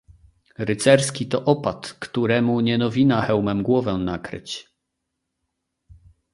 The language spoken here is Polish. "Rycerski to opat, któremu nie nowina hełmem głowę nakryć."